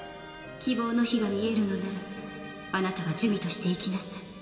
希望の火が見えるのならあなたは珠魅として生きなさい。